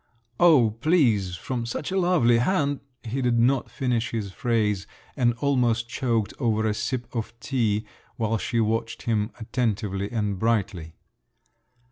"Oh, please!… From such a lovely hand …" He did not finish his phrase, and almost choked over a sip of tea, while she watched him attentively and brightly.